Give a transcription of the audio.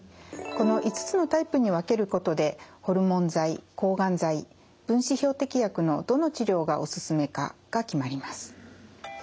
この５つのタイプに分けることでホルモン剤抗がん剤分子標的薬のどの治療がお勧めかが決まります。